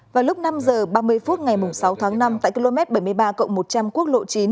vào lúc năm h ba mươi phút ngày sáu tháng năm tại km bảy mươi ba cộng một trăm linh quốc lộ chín